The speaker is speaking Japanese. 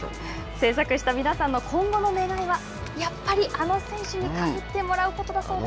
製作した皆さんの今後の願いはやっぱりあの選手にかぶってもらうことだそうです。